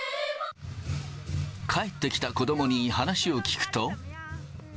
帰ってきた子どもに話を聞くと。